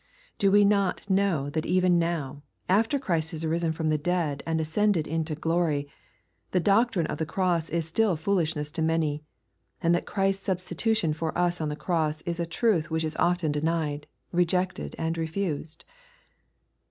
Do we not know that even now, after Christ has arisen from the dead and ascended into glory, the doctrine of the cross is still foolishness to many, and that Christ's substitution for us on the cross is a truth which is often denied, rejected and refused